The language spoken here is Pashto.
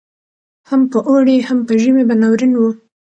هم په اوړي هم په ژمي به ناورین وو